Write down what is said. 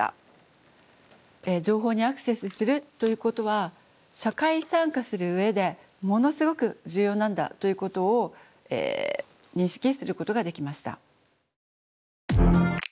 情報にアクセスするということは社会参加する上でものすごく重要なんだということを認識することができました。